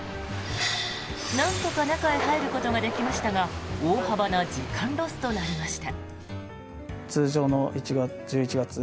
なんとか中へ入ることができましたが大幅な時間ロスとなりました。